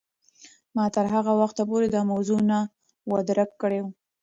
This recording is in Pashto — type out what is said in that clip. ما تر هغه وخته پورې دا موضوع نه وه درک کړې.